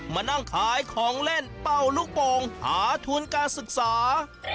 มานั่งขายของเล่นเป่าลูกโป่งหาทุนการศึกษา